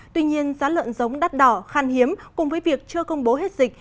tuy nhiên giá lợn giống đắt đỏ khan hiếm cùng với việc chưa công bố hết dịch